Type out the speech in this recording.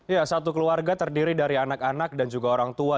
ya satu keluarga terdiri dari anak anak dan juga orang tua